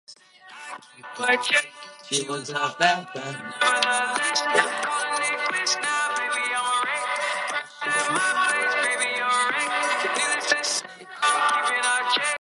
Today, Selwyn has fewer than ten houses, with many derelict cottages still visible.